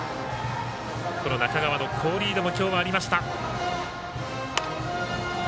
中川の好リードもきょうはありました。